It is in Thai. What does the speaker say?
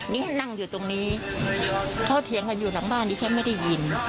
นี่นั่งอยู่ตรงนี้เขาเถียงกันอยู่หลังบ้านดิฉันไม่ได้ยิน